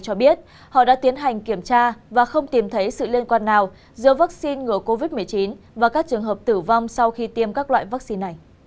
cho biết họ đã tiến hành kiểm tra và không tìm thấy sự liên quan nào giữa vaccine ngừa covid một mươi chín và các trường hợp tử vong sau khi tiêm các loại vaccine này